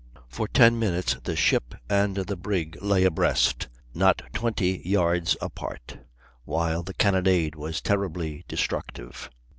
For ten minutes the ship and the brig lay abreast, not twenty yards apart, while the cannonade was terribly destructive.